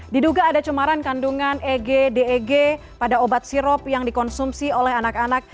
diduga ada cemaran kandungan eg deg pada obat sirop yang dikonsumsi oleh anak anak